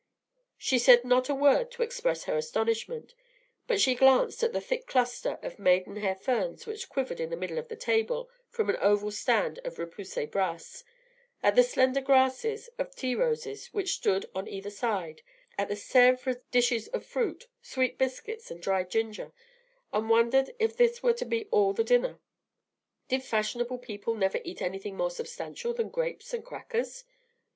She said not a word to express her astonishment; but she glanced at the thick cluster of maiden hair ferns which quivered in the middle of the table from an oval stand of repoussé brass, at the slender glasses of tea roses which stood on either side, at the Sèvres dishes of fruit, sweet biscuits, and dried ginger, and wondered if this were to be all the dinner. Did fashionable people never eat anything more substantial than grapes and crackers?